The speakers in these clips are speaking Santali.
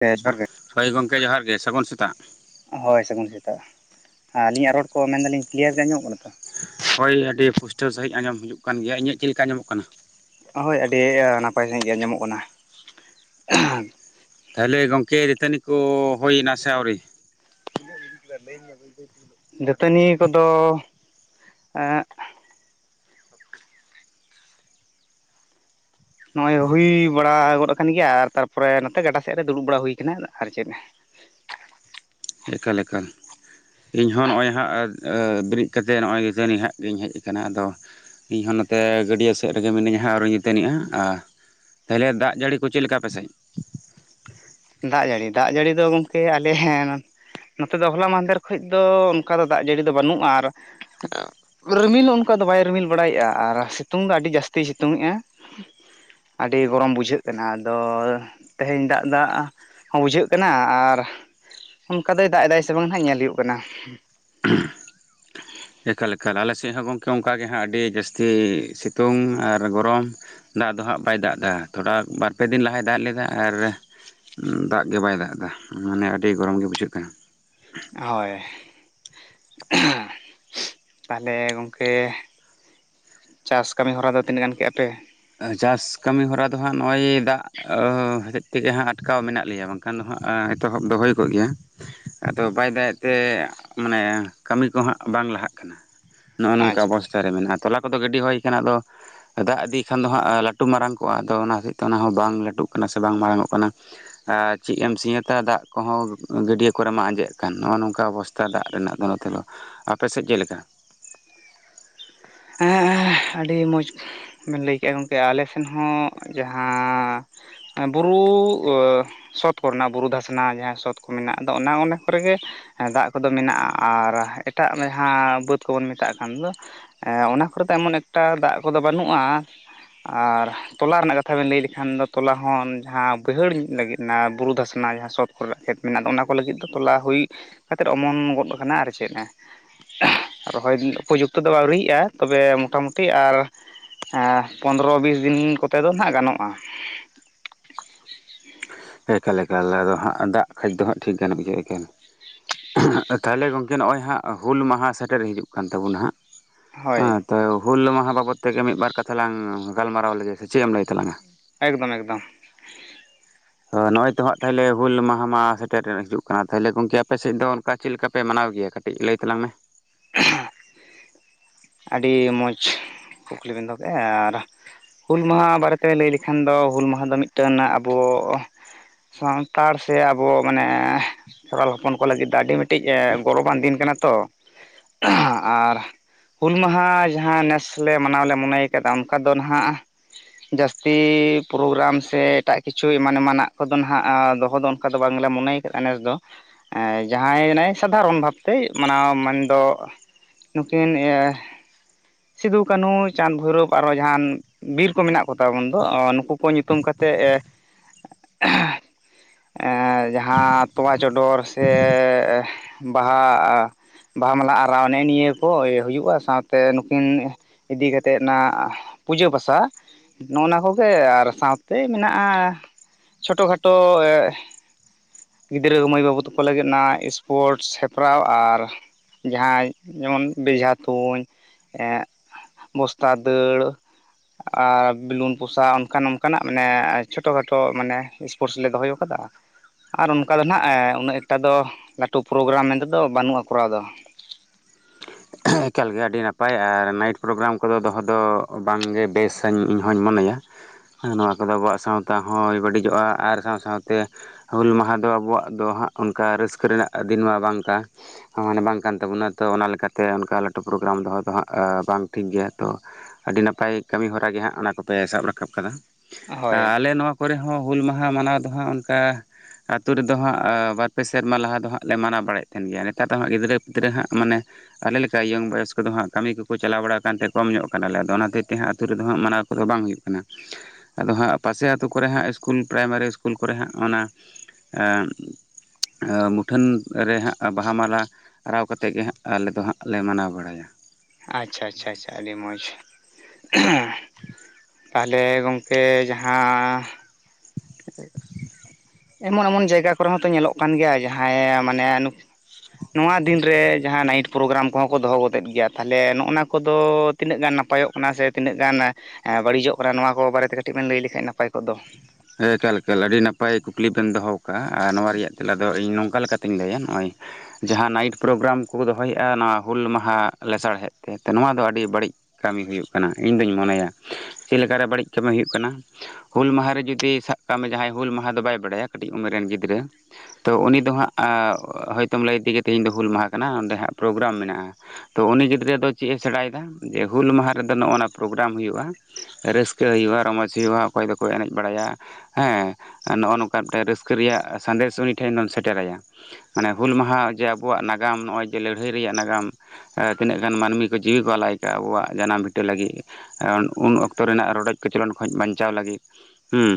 ᱦᱮᱸ ᱡᱚᱦᱟᱨ ᱜᱮ ᱾ ᱦᱳᱭ ᱜᱚᱢᱠᱮ ᱡᱚᱦᱟᱨ ᱜᱮ ᱥᱟᱹᱜᱩᱱ ᱥᱮᱛᱟᱜ ᱦᱳᱭ ᱥᱟᱹᱜᱩᱱ ᱥᱮᱛᱟᱜ᱾ ᱟᱹᱞᱤ ᱧᱟᱜ ᱨᱚᱲ ᱠᱚ ᱢᱮᱱ ᱫᱟᱞᱤᱧ ᱠᱤᱞᱭᱟᱨ ᱜᱮ ᱟᱡᱚᱢᱚᱜ ᱠᱟᱱᱟ ᱛᱚ? ᱦᱳᱭ ᱟᱹᱰᱤ ᱯᱩᱥᱴᱟᱹᱣ ᱥᱟᱺᱦᱤᱡ ᱟᱸᱡᱚᱢ ᱦᱤᱡᱩᱜ ᱠᱟᱱ ᱜᱮᱭᱟ, ᱤᱧᱟᱹᱜ ᱪᱮᱫ ᱞᱮᱠᱟ ᱟᱸᱡᱚ ᱢᱚᱜ ᱠᱟᱱᱟ? ᱦᱳᱭ ᱟᱹᱰᱤ ᱱᱟᱯᱟᱭ ᱥᱟᱺᱦᱤᱡ ᱜᱮ ᱟᱸᱡᱚ ᱢᱚᱜ ᱠᱟᱱᱟ ᱾ ᱛᱟᱦᱞᱮ ᱜᱚᱝᱠᱮ ᱫᱤᱛᱟᱹᱱᱤ ᱠᱚ ᱦᱩᱭᱮ ᱱᱟ ᱥᱮ ᱟᱹᱣᱨᱤ? ᱫᱟᱹᱛᱟᱹᱱᱤ ᱠᱚ ᱫᱚ ᱱᱚᱜᱼᱚᱭ ᱦᱩᱭ ᱵᱟᱲᱟ ᱜᱚᱫ ᱟᱠᱟᱱ ᱜᱮᱭᱟ ᱟᱨ ᱛᱟᱨ ᱯᱚᱨᱮ ᱱᱚᱛᱮ ᱜᱟᱰᱟ ᱥᱮᱫ ᱨᱮ ᱫᱩᱲᱩᱵ ᱵᱟᱲᱟ ᱦᱩᱭ ᱟᱠᱟᱱᱟ ᱟᱨ ᱪᱮᱫ ᱮᱠᱟᱞ ᱮᱠᱟᱞ ᱤᱧ ᱦᱚᱸ ᱱᱚᱜᱼᱚᱭ ᱦᱟᱸᱜ ᱵᱮᱨᱮᱫ ᱠᱟᱛᱮᱫ ᱱᱚᱜᱼᱚᱭ ᱜᱮ ᱫᱟᱹᱛᱟᱹᱱᱤ ᱦᱟᱸᱜ ᱞᱤᱧ ᱦᱮᱡ ᱟᱠᱟᱱᱟ ᱟᱫᱚ ᱤᱧ ᱦᱚᱸ ᱱᱚᱛᱮ ᱜᱟᱹᱰᱭᱟᱹ ᱥᱮᱫ ᱨᱮ ᱜᱮ ᱢᱤᱱᱟᱹᱧ ᱦᱟᱜ ᱟᱨᱣᱤᱧ ᱫᱟᱹᱛᱟᱹᱱᱤᱜᱼᱟ᱾ ᱛᱟᱦᱞᱮ ᱫᱟᱜ ᱡᱟᱹᱲᱤ ᱠᱚ ᱪᱮᱫ ᱞᱮᱠᱟ ᱟᱯᱮ ᱥᱮᱡ? ᱫᱟᱜ ᱡᱟᱹᱲᱤ ᱫᱟᱜ ᱡᱟᱹᱲᱤ ᱫᱚ ᱜᱚᱝᱠᱮ ᱟᱞᱮ ᱱᱚᱛᱮ ᱫᱚ ᱦᱚᱞᱟ ᱢᱟᱦᱫᱮᱨ ᱠᱷᱚᱱ ᱫᱚ ᱚᱱᱠᱟ ᱫᱚ ᱫᱟᱜ ᱡᱟᱹᱲᱤ ᱫᱚ ᱵᱟᱹᱱᱩᱜᱼᱟ ᱟᱨ [inaudible] ᱨᱤᱢᱤᱞ ᱦᱚᱸ ᱚᱱᱠᱟ ᱫᱚ ᱵᱟᱭ ᱨᱤᱢᱤᱞ ᱵᱟᱲᱟᱭᱮᱫᱼᱟ ᱟᱨ ᱥᱤᱛᱩᱝ ᱫᱚ ᱟᱹᱰᱤ ᱡᱟᱹᱥᱛᱤᱭ ᱥᱤᱛᱩᱝ ᱮᱸᱜᱼᱟ᱾ ᱟᱹᱰᱤ ᱜᱚᱨᱚᱢ ᱵᱩᱡᱷᱟᱹᱜ ᱠᱟᱱᱟ ᱟᱫᱚ ᱛᱮᱦᱮᱧ ᱫᱟᱜ ᱫᱟᱜ ᱦᱚᱸ ᱵᱩᱡᱷᱟᱹᱜ ᱠᱟᱱᱟ᱾ ᱟᱨ ᱚᱱᱠᱟ ᱫᱚᱭ ᱫᱟᱜ ᱮᱫᱟᱭ ᱥᱮ ᱵᱟᱝ ᱦᱟᱜ ᱧᱮᱞ ᱦᱩᱭᱩᱜ ᱠᱟᱱᱟ ᱾ ᱮᱠᱟᱞ ᱮᱠᱟᱞ ᱟᱞᱮ ᱥᱮᱫ ᱦᱚᱸ ᱜᱚᱝᱠᱮ ᱚᱱᱠ ᱜᱮ ᱦᱟᱸᱜ ᱟᱹᱰᱤ ᱡᱟᱹᱥᱛᱤ ᱥᱤᱛᱩᱝ ᱟᱨ ᱜᱚᱨᱚᱢ᱾ ᱫᱟᱜ ᱫᱚ ᱦᱟᱸᱜ ᱵᱟᱭ ᱫᱟᱜ ᱮᱫᱟ ᱛᱷᱚᱲᱟ ᱵᱟᱨ ᱯᱮ ᱫᱤᱱ ᱞᱟᱦᱟᱭ ᱫᱟᱜ ᱞᱮᱫᱟ ᱟᱨ ᱫᱟᱜ ᱜᱮ ᱵᱟᱭ ᱫᱟᱜ ᱮᱫᱟ ᱢᱟᱱᱮ ᱟᱹᱰᱤ ᱜᱚᱨᱚᱢ ᱜᱮ ᱵᱩᱡᱷᱟᱹᱜ ᱠᱟᱱᱟ᱾ ᱦᱳᱭ ᱛᱟᱦᱞᱮ ᱜᱚᱝᱠᱮ ᱪᱟᱥ ᱠᱟᱹᱢᱤ ᱦᱚᱨᱟ ᱫᱚ ᱛᱤᱱᱟᱹᱜ ᱜᱟᱱ ᱠᱮᱜᱼᱟ ᱯᱮ? ᱪᱟᱥ ᱠᱟᱹᱢᱤ ᱦᱚᱨᱟ ᱫᱚ ᱦᱟᱸᱜ ᱱᱚᱜᱼᱚᱭ ᱫᱟᱜ ᱚ ᱦᱚᱛᱮᱡ ᱛᱮᱜᱮ ᱦᱟᱸᱜ ᱟᱴᱠᱟᱣ ᱢᱮᱱᱟᱜ ᱞᱮᱭᱟ ᱵᱟᱝ ᱠᱷᱟᱱ ᱫᱚ ᱦᱟᱸᱜ ᱮᱛᱚ ᱦᱚᱵ ᱫᱚ ᱦᱩᱭ ᱠᱚᱜ ᱜᱮᱭᱟ᱾ ᱟᱫᱚ ᱵᱟᱭ ᱫᱟᱜ ᱮᱜ ᱛᱮ ᱢᱟᱱᱮ ᱠᱟᱹᱢᱤ ᱠᱚᱦᱟᱸᱜ ᱵᱟᱝ ᱞᱟᱦᱟᱜ ᱠᱟᱱᱟ᱾ ᱱᱚᱜᱼᱚ ᱱᱚᱝᱠᱟ ᱟᱪᱪᱷᱟ ᱚᱵᱚᱥᱛᱟ ᱨᱮ ᱢᱮᱱᱟᱜᱼᱟ᱾ ᱛᱚᱞᱟ ᱠᱚ ᱫᱚ ᱜᱤᱹᱰᱤ ᱦᱳᱭ ᱠᱟᱱᱟ ᱟᱫᱚ ᱫᱟᱜ ᱤᱫᱤ ᱠᱷᱟᱱ ᱫᱚ ᱦᱟᱸᱜ ᱞᱟᱹᱴᱩ ᱢᱟᱨᱟᱝ ᱠᱚᱜᱼᱟ ᱟᱫᱚ ᱚᱱᱟ ᱦᱚᱛᱮᱡ ᱛᱮ ᱚᱱᱟ ᱦᱚᱸ ᱵᱟᱝ ᱞᱟᱹᱴᱩᱜ ᱠᱟᱱᱟ ᱥᱮ ᱵᱟᱝ ᱢᱟᱨᱟᱝ ᱚᱜ ᱠᱟᱱᱟ᱾ ᱟᱨ ᱪᱮᱫ ᱮᱢ ᱥᱤᱭᱟᱹᱛᱟ ᱫᱟᱜ ᱠᱚ ᱦᱚᱸ ᱜᱟᱹᱰᱭᱟᱹ ᱠᱚᱨᱮ ᱢᱟ ᱟᱸᱡᱮᱫ ᱠᱟᱱ ᱱᱚᱜᱼᱚ ᱱᱚᱝᱠᱟ ᱚᱵᱚᱥᱛᱷᱟ᱾ ᱛᱟ ᱫᱟᱜ ᱨᱮᱱᱟᱜ ᱫᱚ ᱱᱚᱛᱮ ᱫᱚ ᱟᱯᱮ ᱥᱮᱫ ᱪᱮᱫ ᱞᱮᱠᱟ? ᱦᱮᱸ ᱟᱹᱰᱤ ᱢᱚᱸᱡᱽ ᱵᱮᱱ ᱞᱟᱹᱭ ᱠᱮᱜᱼᱟ ᱜᱚᱝᱠᱮ ᱟᱞᱮ ᱥᱮᱱ ᱦᱚᱸ ᱡᱟᱦᱟᱸᱻᱻ ᱵᱩᱨᱩ ᱤᱭᱟᱹ ᱥᱚᱛ ᱠᱚᱨᱮᱱᱟᱜ ᱵᱩᱨᱩ ᱫᱷᱟᱥᱱᱟ ᱡᱟᱦᱟᱸ ᱥᱚᱛ ᱠᱚ ᱢᱮᱱᱟᱜ ᱟᱫᱚ ᱚᱱᱟ ᱚᱱᱟ ᱠᱚᱨᱮ ᱜᱮ ᱾ ᱫᱟᱜ ᱠᱚᱫᱚ ᱢᱮᱱᱟᱜᱼᱟ ᱟᱨ ᱮᱴᱟᱜ ᱡᱟᱦᱟᱸ ᱵᱟᱹᱫᱽ ᱠᱚᱵᱚᱱ ᱢᱮᱛᱟᱜ ᱠᱟᱱ ᱫᱚ ᱚᱱᱟ ᱠᱚᱨᱮ ᱛᱮ ᱮᱢᱚᱱ ᱮᱠᱴᱟ ᱫᱟᱜ ᱠᱚ ᱫᱚ ᱵᱟᱹᱱᱩᱜᱼᱟ᱾ ᱟᱨ ᱛᱚᱞᱟ ᱨᱮᱱᱟᱜ ᱠᱟᱛᱷᱟ ᱵᱮᱱ ᱞᱟᱹᱭ ᱞᱮᱠᱷᱟᱱ ᱫᱚ ᱛᱚᱞᱟ ᱦᱚᱸ ᱡᱟᱦᱟᱸ ᱵᱟᱹᱭᱦᱟᱹᱲ ᱞᱟᱹᱜᱤᱫ ᱚᱱᱟ ᱵᱩᱨᱩ ᱫᱷᱟᱥᱱᱟ ᱡᱟᱦᱟᱸ ᱥᱚᱛ ᱠᱚᱨᱮᱱᱟᱜ ᱠᱷᱮᱫ ᱢᱮᱱᱟᱜ ᱫᱚ ᱚᱱᱟ ᱠᱚ ᱞᱟᱹᱜᱤᱫ ᱫᱚ ᱛᱚᱞᱟ ᱦᱩᱭ ᱠᱷᱮᱛ ᱨᱮ ᱚᱢᱚᱱ ᱜᱚᱫ ᱟᱠᱟᱱᱟ ᱟᱨ ᱪᱮᱫ ᱨᱚᱦᱚᱭ ᱩᱯᱚ ᱡᱩᱠᱛᱚ ᱫᱚ ᱟᱹᱣᱨᱤᱡ ᱭᱟᱜ ᱛᱚ ᱵᱮ ᱢᱚᱴᱟᱢᱩᱴᱤ ᱟᱨ ᱯᱚᱱᱨᱚ ᱵᱤᱥ ᱫᱤᱱ ᱠᱚᱛᱮ ᱫᱚ ᱦᱟᱸᱜ ᱜᱟᱱᱚᱜᱼᱟ᱾ ᱮᱠᱟᱞ ᱮᱠᱟᱞ ᱟᱫᱚ ᱦᱟᱜ ᱫᱟᱜ ᱠᱷᱟᱡᱽ ᱫᱚ ᱦᱟᱸᱜ ᱴᱷᱤᱠ ᱜᱟᱱ ᱵᱩᱡᱷᱟᱹᱜ ᱮᱠᱮᱱ ᱛᱟᱦᱞᱮ ᱜᱚᱝᱠᱮ, ᱱᱚᱜᱼᱚᱭ ᱦᱟᱸᱜ ᱦᱩᱞ ᱢᱟᱦᱟ ᱥᱮᱴᱮᱨ ᱦᱤᱡᱩᱜ ᱠᱟᱱ ᱛᱟᱵᱳᱱᱼᱟ᱾ ᱦᱟᱜ ᱦᱳᱭ ᱦᱸ᱾ ᱛᱚ ᱦᱩᱞ ᱢᱟᱦᱟ ᱵᱟᱵᱚᱫ ᱛᱮ ᱜᱮ ᱢᱤᱫ ᱵᱟᱨ ᱠᱟᱛᱷᱟ ᱞᱝ ᱜᱟᱞ ᱢᱟᱨᱟᱣ ᱞᱮ ᱜᱮ ᱥᱮ ᱪᱮᱫ ᱮᱢ ᱞᱟᱹᱭ ᱛᱟᱞᱟᱝᱟ᱾ ᱮᱠᱫᱚᱢ ᱮᱠᱫᱚᱢ᱾ ᱦᱚ ᱱᱚᱜᱼᱚᱭ ᱛᱚᱦᱟᱸᱜ ᱛᱟᱦᱚᱞᱮ ᱦᱩᱞ ᱢᱟᱦᱟ ᱢᱟ ᱥᱮᱴᱮᱨᱮ ᱦᱤᱡᱩᱜ ᱠᱟᱱᱟ, ᱛᱟᱦᱚᱞᱮ ᱜᱚᱝᱠᱮ ᱟᱯᱮ ᱥᱮᱫ ᱫᱚ ᱚᱱᱠᱟ ᱪᱮᱫ ᱞᱮᱠᱟ ᱯᱮ ᱢᱟᱱᱟᱣ ᱜᱮᱭᱟ? ᱞᱟᱹᱭ ᱛᱟᱞᱟᱝ ᱢᱮ᱾ [inaudible] ᱟᱹᱰᱤ ᱢᱚᱸᱡᱽ ᱠᱩᱠᱞᱤ ᱵᱤᱱ ᱫᱚᱦᱚ ᱠᱮᱫᱼᱟ, ᱟᱨ, ᱦᱩᱞ ᱢᱟᱦᱟ ᱵᱟᱨᱮᱛᱮ ᱞᱟᱹᱭ ᱞᱮᱠᱷᱟᱱ ᱫᱚ, ᱦᱩᱞ ᱢᱟᱦᱟ ᱫᱚ ᱢᱤᱫᱴᱮᱱ ᱟᱵᱚ, ᱥᱟᱱᱛᱟᱲ ᱥᱮ ᱟᱵᱚ ᱢᱟᱱᱮ ᱠᱷᱮᱨᱣᱟᱞ ᱦᱚᱯᱚᱱ ᱠᱚ ᱞᱟᱹᱜᱤᱫ ᱫᱚ ᱟᱹᱰᱤ ᱢᱤᱫ ᱠᱟᱹᱴᱤᱡ ᱜᱚᱨᱚᱵᱟᱱ ᱫᱤᱱ ᱠᱟᱱᱟ ᱛᱚ, ᱟᱨ ᱦᱩᱞ ᱢᱟᱦᱟ ᱡᱟᱦᱟᱸ ᱱᱮᱥ ᱞᱮ ᱢᱟᱱᱟᱣᱞᱮ ᱢᱚᱱᱮᱭ ᱠᱟᱫᱟ, ᱚᱱᱠᱟ ᱫᱚ ᱱᱟᱦᱟᱜ, ᱡᱟᱹᱥᱛᱤ ᱯᱨᱳᱜᱨᱟᱢ ᱥᱮ ᱮᱴᱟᱜ ᱠᱤᱪᱷᱩ, ᱮᱢᱟᱱ ᱮᱢᱟᱱᱟᱜ ᱠᱚᱫᱚ ᱱᱟᱦᱟᱜ ᱫᱚᱦᱚ ᱫᱚ ᱚᱱᱠᱟ ᱫᱚ ᱵᱟᱝᱞᱮ ᱢᱚᱱᱮ ᱪᱮᱫᱠᱟ ᱱᱮᱥ ᱫᱚ, ᱡᱟᱦᱟᱸᱭ ᱢᱮᱱᱟᱭ ᱥᱟᱫᱷᱟᱨᱚᱱ ᱵᱷᱟᱵᱛᱮ ᱢᱟᱱᱟᱣ ᱫᱚ ᱱᱩᱠᱤᱱ ᱤᱭᱟᱹ ᱥᱤᱫᱩ ᱠᱟᱱᱩ ᱪᱟᱸᱫᱽ ᱵᱷᱳᱭᱨᱳ ᱟᱨᱚ ᱡᱟᱦᱟᱸᱱ ᱵᱤᱨ ᱠᱚ ᱢᱮᱱᱟᱜ ᱠᱚ ᱛᱟᱵᱚᱱ ᱫᱚ᱾ᱱᱩᱠᱩ ᱠᱚ ᱧᱩᱛᱩᱢ ᱠᱟᱛᱮᱫ ᱮᱻ [unintelligible] ᱡᱟᱦᱟᱸ ᱛᱚᱣᱟ ᱪᱚᱰᱚᱨ ᱥᱮ ᱵᱟᱦᱟ, ᱵᱟᱦᱟ ᱢᱟᱞᱟ ᱟᱨᱟᱣ ᱱᱮᱜ ᱱᱤᱭᱟᱹ ᱠᱚ ᱦᱩᱭᱩᱜᱼᱟ᱾ ᱥᱟᱶᱛᱮ ᱱᱩᱠᱤᱱ, ᱤᱫᱤ ᱠᱟᱛᱮᱫ ᱚᱱᱟ ᱯᱩᱡᱟᱹ ᱯᱟᱥᱟ᱾ ᱱᱚᱜᱼ ᱱᱟ ᱠᱚᱜᱮ ᱟᱨ ᱥᱟᱶᱛᱮ ᱢᱮᱱᱟᱜᱼᱟ ᱪᱷᱳᱴᱳ ᱠᱷᱟᱟᱴᱳ, ᱜᱤᱫᱽᱨᱟᱹ ᱢᱟᱹᱭ ᱵᱟᱹᱵᱩ ᱛᱟᱠᱚ ᱞᱟᱹᱜᱤᱫ ᱱᱟ ᱥᱯᱳᱨᱴᱥ ᱦᱮᱯᱨᱟᱣ᱾ ᱟᱨ, ᱡᱟᱦᱟᱸᱭ ᱡᱮᱢᱚᱱ ᱵᱮᱡᱷᱟ ᱛᱩᱧ ᱮᱸ ᱵᱚᱥᱛᱟ ᱫᱟᱹᱲ᱾ ᱟᱨ ᱵᱮᱞᱩᱱ ᱯᱚᱥᱟᱜ ᱚᱱᱠᱟᱱ ᱚᱱᱠᱟᱱᱟᱜ ᱢᱟᱱᱮ ᱪᱷᱳᱴᱳ ᱠᱷᱟᱴᱳ ᱢᱟᱱᱮ ᱥᱯᱳᱨᱴᱥ ᱞᱮ ᱫᱚᱦᱚ ᱟᱠᱟᱫᱟ᱾ ᱟᱨ ᱚᱱᱠᱟ ᱫᱚ ᱱᱟᱦᱟᱜ ᱩᱱᱟᱹᱜ ᱮᱠᱴᱟ ᱫᱚ ᱞᱟᱹᱴᱩ ᱯᱨᱳᱜᱨᱟᱢ ᱢᱮᱱ ᱛᱮ ᱫᱚ ᱵᱟᱹᱱᱩᱜᱼᱟ ᱠᱚᱨᱟᱣ ᱫᱚ᱾ [inaudible] ᱮᱠᱟᱞᱜᱮ ᱟᱹᱰᱤ ᱱᱟᱯᱟᱭ ᱟᱨ ᱱᱟᱭᱤᱴ ᱯᱨᱳᱜᱨᱟᱢ ᱠᱚᱫᱚ ᱫᱚᱦᱚ ᱫᱚ ᱵᱟᱝᱜᱮ ᱵᱮᱥᱟ ᱤᱧᱦᱚᱧ ᱢᱚᱱᱮᱭᱟ᱾ ᱱᱚᱣᱟ ᱠᱚᱫᱚ ᱟᱵᱚᱣᱟᱜ ᱥᱟᱶᱛᱟ ᱦᱚᱸᱭ ᱵᱟᱹᱲᱤᱡᱚᱜᱼᱟ, ᱟᱨ ᱥᱟᱶ ᱥᱟᱶᱛᱮ, ᱦᱩᱞ ᱢᱟᱦᱟ ᱫᱚ ᱟᱵᱚᱣᱟᱜ ᱫᱚ ᱦᱟᱸᱜ ᱚᱱᱠᱟ ᱨᱟᱹᱥᱠᱟᱹ ᱨᱮᱱᱟᱜ ᱫᱤᱱ ᱢᱟ ᱵᱟᱝ ᱠᱟᱱ᱾ ᱢᱟᱱᱮ ᱵᱟᱝ ᱠᱟᱱ ᱛᱟᱵᱳᱱᱟ ᱾ᱛᱚ ᱚᱱᱟ ᱞᱮᱠᱟᱛᱮ ᱚᱱᱠᱟ ᱞᱟᱹᱴᱩ ᱯᱨᱳᱜᱨᱟᱢ ᱫᱚᱦᱚ ᱫᱚ ᱦᱟᱸᱜ ᱵᱟᱝ ᱴᱷᱤᱠ ᱜᱮᱭᱟ, ᱛᱚ ᱟᱹᱰᱤ ᱱᱟᱯᱟᱭ ᱠᱟᱹᱢᱤ ᱦᱚᱨᱟ ᱜᱮ ᱦᱟᱸᱜ ᱚᱱᱟ ᱠᱚᱯᱮ ᱥᱟᱵ ᱨᱟᱠᱟᱵ ᱠᱟᱫᱟ ᱦᱳᱭ ᱟᱞᱮ ᱱᱚᱣᱟ, ᱠᱚᱨᱮ ᱦᱚᱸ ᱦᱩᱞ ᱢᱟᱦᱟ ᱢᱟᱱᱟᱣ ᱫᱚ ᱦᱟᱸᱜ ᱚᱱᱠᱟ, ᱟᱹᱛᱩ ᱨᱮᱫᱚ ᱦᱟᱸᱜ ᱵᱟᱨᱼᱯᱮ ᱥᱮᱨᱢᱟ ᱞᱟᱦᱟ ᱫᱚ ᱦᱟᱸᱜ ᱞᱮ ᱢᱟᱱᱟᱣ ᱵᱟᱲᱟᱭᱮᱫ ᱛᱟᱦᱮᱱ ᱜᱮᱭᱟ᱾ᱱᱮᱛᱟᱨ ᱫᱚ ᱦᱟᱸᱜ ᱜᱤᱫᱽᱨᱟᱹ ᱯᱤᱫᱽᱨᱟᱹ ᱦᱟᱸᱜ ᱢᱟᱱᱮ, ᱟᱞᱮ ᱞᱮ- ᱞᱮᱠᱟ ᱤᱭᱚᱝ ᱵᱚᱭᱚᱥ ᱠᱚᱫᱚ ᱦᱟᱸᱜ ᱠᱟᱹᱢᱤ ᱠᱚᱠᱚ ᱪᱟᱞᱟᱣ ᱵᱟᱲᱟ ᱠᱟᱱᱛᱮ ᱠᱚᱢ ᱧᱚᱜ ᱠᱟᱱᱟᱞᱮ, ᱟᱫᱚ ᱚᱱᱟ ᱦᱚᱛᱮᱫ ᱛᱮ ᱦᱟᱜ ᱟᱛᱳ ᱨᱮᱫᱚ ᱦᱟᱜ ᱢᱟᱱᱟᱣ ᱠᱚᱫᱚ ᱵᱟᱝ ᱦᱩᱭᱩᱜ ᱠᱟᱱᱟ᱾ ᱟᱫᱚ ᱦᱟᱸᱜ ᱯᱟᱥᱮ ᱟᱛᱳ ᱠᱚᱨᱮ ᱦᱟᱸᱜ ᱤᱥᱠᱩᱞ ᱯᱨᱟᱭᱢᱟᱨᱤ ᱤᱥᱠᱩᱞ ᱠᱚᱨᱮ ᱦᱟᱸᱜ ᱚᱱᱟ, ᱮᱸᱜᱻ ᱢᱩᱴᱷᱟᱹᱱ ᱨᱮ ᱦᱟᱸᱜ ᱵᱟᱦᱟ ᱢᱟᱞᱟ ᱟᱨᱟᱣ ᱠᱟᱛᱮᱫ ᱜᱮ, ᱦᱟᱸᱜ ᱟᱞᱮ ᱫᱚ ᱦᱟᱸᱜ, ᱞᱮ ᱢᱟᱱᱟᱣ ᱵᱟᱲᱟᱭᱟ᱾ ᱟᱪᱪᱷᱟ, ᱟᱪᱪᱷᱟ, ᱟᱪᱷᱟ ᱟᱹᱰᱤ ᱢᱚᱸᱡ ᱛᱟᱦᱚᱞᱮ ᱜᱚᱝᱠᱮ ᱡᱟᱦᱟᱸ [inaudible] ᱮᱢᱚᱱ ᱮᱢᱚᱱ ᱡᱟᱭᱜᱟ ᱠᱚᱨᱮ ᱦᱚᱸᱛᱚ ᱧᱮᱞᱚᱜ ᱠᱟᱱ ᱜᱮᱭᱟ ᱡᱟᱦᱟᱸ ᱢᱟᱱᱮ ᱱᱩ ᱱᱚᱣᱟ ᱫᱤᱱᱨᱮ ᱡᱟᱦᱟᱸ ᱱᱟᱭᱤᱴ ᱯᱨᱳᱜᱨᱟᱢ ᱠᱚᱦᱚᱸ ᱠᱚ ᱫᱚᱦᱚ ᱜᱚᱫᱮᱫ ᱜᱮᱭᱟ, ᱛᱟᱦᱚᱞᱮ ᱱᱚᱜᱼᱱᱟ ᱠᱚᱫᱚ ᱛᱤᱱᱟᱹᱜ ᱜᱟᱱ ᱱᱟᱯᱟᱭᱚᱜ ᱠᱟᱱᱟ ᱥᱮ, ᱛᱤᱱᱟᱹᱜ ᱜᱟᱱ ᱵᱟᱹᱲᱤᱡᱚᱜ ᱠᱟᱱᱟ ᱱᱚᱣᱟ ᱠᱚ ᱵᱟᱨᱮᱛᱮ ᱠᱟᱹᱴᱤᱡ ᱵᱮᱱ ᱞᱟᱹᱭ ᱞᱮᱠᱷᱟᱱᱡ ᱱᱟᱯᱟᱭ ᱠᱚᱜ ᱫᱚ᱾ ᱮ ᱮᱠᱟᱞ ᱮᱠᱟᱞ ᱟᱹᱰᱤ ᱱᱟᱯᱟᱭ ᱠᱩᱠᱞᱤ ᱵᱮᱱ ᱫᱚᱦᱚ ᱟᱠᱟᱫᱼᱟ᱾ ᱟᱨ ᱱᱚᱣᱟ ᱨᱮᱭᱟᱜ ᱛᱮᱞᱟ ᱫᱚ ᱤᱧ ᱱᱚᱝᱠᱟ ᱞᱮᱠᱟᱛᱮ ᱞᱟᱹᱭᱟ ᱱᱚᱜᱼᱚᱭ ᱡᱟᱦᱟᱸ ᱱᱟᱭᱤᱴ ᱯᱨᱳᱜᱨᱟᱢ ᱠᱚ ᱫᱚᱦᱚᱭᱮᱫᱼᱟ ᱱᱚᱣᱟ ᱦᱩᱞ ᱢᱟᱦᱟ ᱞᱮᱥᱟᱲ ᱦᱮᱫ ᱛᱮ ᱱᱚᱣᱟ ᱫᱚ ᱟᱹᱰᱤ ᱵᱟᱹᱲᱤᱡ ᱠᱟᱹᱢᱤ ᱦᱩᱭᱩᱜ ᱠᱟᱱᱟ ᱤᱧ ᱫᱩᱧ ᱢᱚᱱᱮᱭᱟ ᱪᱮᱫᱠᱟᱨᱮ ᱵᱟᱹᱲᱤᱡ ᱠᱟᱹᱢᱤ ᱦᱩᱭᱩᱜ ᱠᱟᱱᱟ ᱦᱩᱞ ᱢᱟᱦᱟ ᱨᱮ ᱡᱩᱫᱤ ᱛᱤ ᱥᱟᱵ ᱠᱟᱜ ᱢᱮ ᱡᱟᱦᱟᱸᱭ ᱦᱩᱞ ᱢᱟᱦᱟ ᱫᱚ ᱵᱟᱭ ᱵᱟᱲᱟᱭᱟ ᱠᱟᱹᱴᱤᱡ ᱩᱢᱮᱨ ᱨᱮᱱ ᱜᱤᱫᱽᱨᱟᱹ ᱛᱚ ᱩᱱᱤ ᱫᱚ ᱦᱟᱸᱜ ᱦᱚᱭᱛᱳᱚᱢ ᱞᱟᱹᱭ ᱛᱮᱜᱮ ᱛᱮᱤᱦᱤᱧ ᱫᱚ ᱦᱩᱞ ᱢᱟᱦᱟ ᱠᱟᱱᱟ ᱚᱸᱰᱮ ᱦᱟᱸᱜ ᱯᱨᱳᱜᱨᱟᱢ ᱢᱮᱱᱟᱜᱼᱟ᱾ ᱛᱩ ᱩᱱᱤ ᱜᱤᱫᱽᱨᱟᱹ ᱫᱚ ᱪᱮᱫᱼ ᱮ ᱥᱮᱬᱟᱭᱮᱫᱟ ᱡᱮ ᱦᱩᱞ ᱢᱟᱦᱟ ᱨᱮᱫᱚ ᱱᱚᱜᱼ ᱱᱚᱣᱟ ᱯᱨᱳᱜᱨᱟᱢ ᱦᱩᱭᱩᱜᱼᱟ᱾ ᱨᱟᱹᱥᱠᱟᱹ ᱦᱩᱭᱩᱜᱼᱟ ᱨᱚᱢᱚᱡᱽ ᱦᱩᱭᱩᱜᱼᱟ ᱚᱠᱚᱭ ᱫᱚᱠᱚ ᱮᱱᱮᱡ ᱵᱟᱲᱟᱭᱟ᱾ ᱦᱮᱸ ᱱᱚᱜᱼᱚ ᱱᱚᱝᱠᱟ ᱢᱤᱫᱴᱮᱱ ᱨᱟᱹᱥᱠᱟᱹ ᱨᱮᱭᱟᱜ ᱥᱟᱸᱫᱮᱥ ᱩᱱᱤ ᱴᱷᱮᱱ ᱫᱚᱢ ᱥᱮᱴᱮᱨ ᱟᱭᱟ᱾ ᱢᱟᱱᱮ ᱦᱩᱞ ᱢᱟᱦᱟ ᱡᱮ ᱟᱵᱚᱣᱟᱜ ᱱᱟᱜᱟᱢ ᱱᱚᱜᱼᱚᱭ ᱡᱮ ᱞᱟᱹᱲᱦᱟᱹᱭ ᱨᱮᱭᱟᱜ ᱱᱟᱜᱟᱢ ᱛᱤᱱᱟᱹᱜ ᱜᱟᱱ ᱢᱟᱹᱱᱢᱤ ᱠᱚ ᱡᱤᱣᱤ ᱠᱚ ᱟᱞ ᱟᱹᱭᱠᱟᱹᱜᱼᱟ ᱟᱵᱚᱣᱟᱜ ᱡᱟᱱᱟᱢ ᱵᱷᱤᱴᱟᱹ ᱞᱟᱹᱜᱤᱫ᱾ ᱩᱱ ᱚᱠᱛᱚ ᱨᱮᱱᱟᱜ ᱨᱚᱰᱚᱚᱡ ᱠᱚᱪᱞᱚᱱ ᱠᱷᱚᱱ ᱵᱟᱧ ᱪᱟᱣ ᱞᱟᱹᱜᱤᱫ ᱦᱩᱸ